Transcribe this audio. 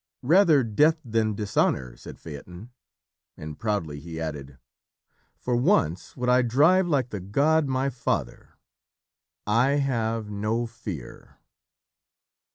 "Rather Death than Dishonour," said Phaeton, and proudly he added, "For once would I drive like the god, my father. I have no fear."